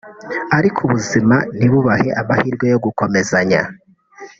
ariko ubuzima ntibubahe amahirwe yo gukomezanya